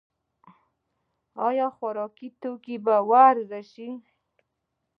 آیا خوراکي توکي به ارزانه شي؟